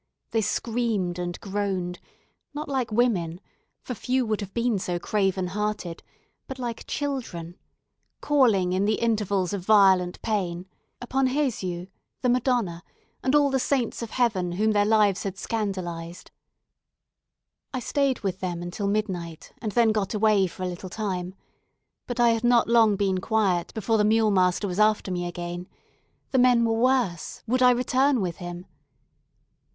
They screamed and groaned, not like women, for few would have been so craven hearted, but like children; calling, in the intervals of violent pain, upon Jesu, the Madonna, and all the saints of heaven whom their lives had scandalised. I stayed with them until midnight, and then got away for a little time. But I had not long been quiet, before the mule master was after me again. The men were worse; would I return with him.